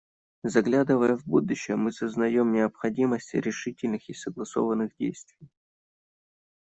Заглядывая в будущее, мы сознаем необходимость решительных и согласованных действий.